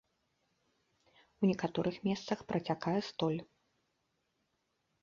У некаторых месцах працякае столь.